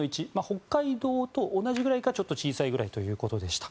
北海道と同じくらいかちょっと小さいぐらいということでした。